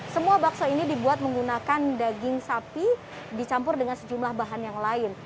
semua bakso ini dibuat menggunakan daging sapi dicampur dengan sejumlah bahan yang lain